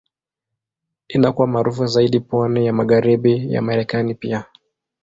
Inakuwa maarufu zaidi pwani ya Magharibi ya Marekani pia.